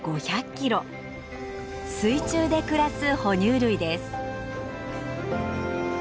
水中で暮らす哺乳類です。